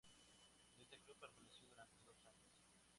En este club permaneció durante dos años.